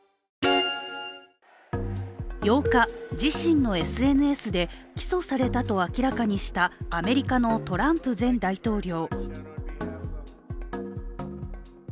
８日、自身のＳＮＳで起訴されたと明らかにしたアメリカのトランプ前大統領。